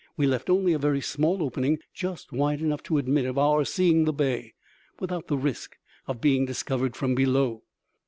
We left only a very small opening just wide enough to admit of our seeing the bay, without the risk of being discovered from below.